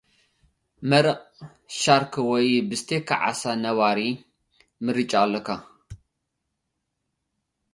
መረቕ ሻርክ ወይ ብስቴካ ዓሳ ነባሪ? ምርጫ ኣለካ።